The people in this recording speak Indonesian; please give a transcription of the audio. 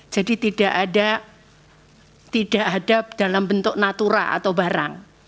jadi tidak ada tidak ada dalam bentuk natura atau barang